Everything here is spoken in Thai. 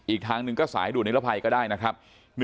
อีกทางหนึ่งก็สายดูดนิรภัยก็ได้นะครับ